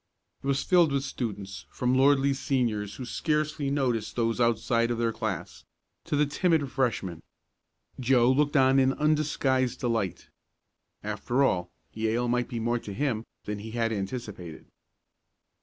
It was filled with students, from lordly Seniors, who scarcely noticed those outside of their class, to the timid Freshmen. Joe looked on in undisguised delight. After all, Yale might be more to him than he had anticipated.